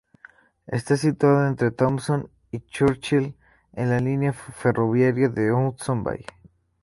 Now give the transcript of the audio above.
Está situado entre Thompson y Churchill en la línea ferroviaria de Hudson Bay.